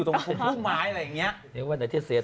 อืมอืมอืมอืมอืม